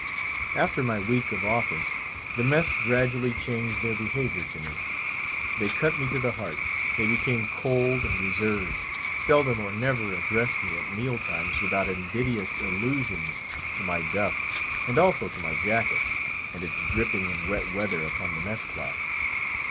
After my week of office, the mess gradually changed their behaviour to me; they cut me to the heart; they became cold and reserved; seldom or never addressed me at meal times without invidious allusions to my duff, and also to my jacket, and its dripping in wet weather upon the mess cloth.